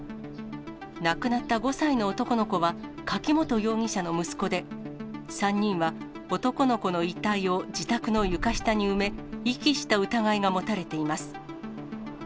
亡くなった５歳の男の子は、柿本容疑者の息子で、３人は、男の子の遺体を自宅の床下に埋め、遺棄した疑いが持たれています。